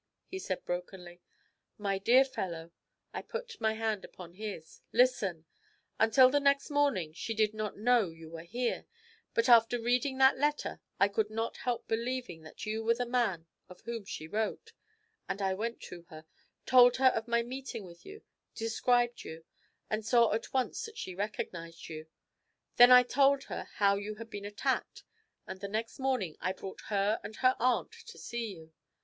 he said brokenly. 'My dear fellow,' I put my hand upon his, 'listen: Until the next morning she did not know you were here, but after reading that letter I could not help believing that you were the man of whom she wrote, and I went to her, told her of my meeting with you, described you, and saw at once that she recognised you. Then I told her how you had been attacked, and the next morning I brought her and her aunt to see you.